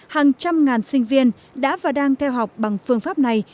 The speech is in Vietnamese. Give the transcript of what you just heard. hàng trăm ngàn sinh viên đã và đang theo học bằng phương pháp này